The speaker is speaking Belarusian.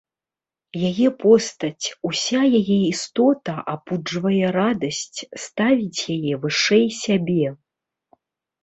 Яе постаць, уся яе істота абуджвае радасць, ставіць яе вышэй сябе.